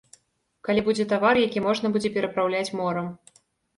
Калі будзе тавар, які можна будзе перапраўляць морам.